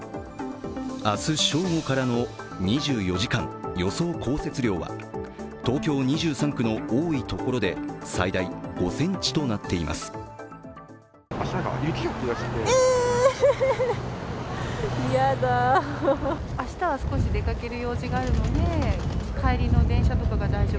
明日正午からの２４時間、予想降雪量は東京２３区の多い所で最大５ｃｍとなっています。